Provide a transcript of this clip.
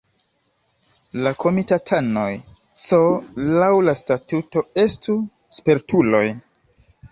La komitatanoj C laŭ la statuto estu "spertuloj".